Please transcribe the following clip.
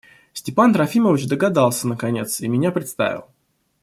Степан Трофимович догадался наконец и меня представил.